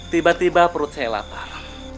tiba tiba perut saya lapar